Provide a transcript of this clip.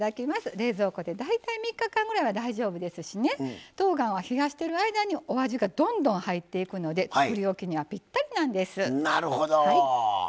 冷蔵庫で大体、３日間ぐらい大丈夫ですしとうがんは冷やしてる間にお味が、どんどん入っていくのでつくりおきにはぴったりなんです。